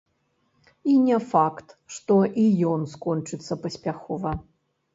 І не факт, што і ён скончыцца паспяхова.